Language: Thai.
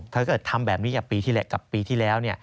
ถ้าเกิดทำแบบนี้กับปีที่แล้ว